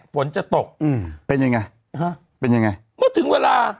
ฝนจะตกอืมเป็นยังไงฮะเป็นยังไงเมื่อถึงเวลา